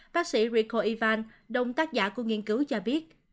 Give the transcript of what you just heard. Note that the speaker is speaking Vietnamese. bác sĩ rico ivan đồng tác giả của nghiên cứu cho biết